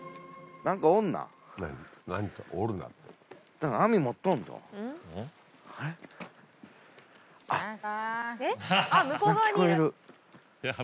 何か聞こえる。